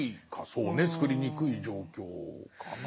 そうねつくりにくい状況かな。